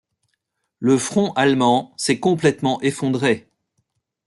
Le front allemand s'est complètement effondré.